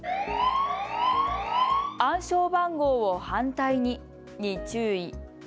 暗証番号を反対にに注意。